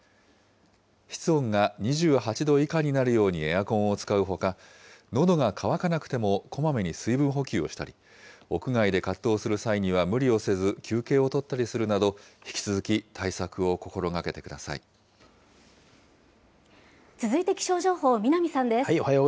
室温が２８度以下になるようにエアコンを使うほか、のどが渇かなくてもこまめに水分補給をしたり、屋外で活動する際には無理をせず休憩を取ったりするなど、引き続続いて気象情報、南さんです。